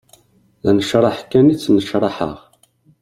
D anecreḥ kan i ttnecraḥeɣ.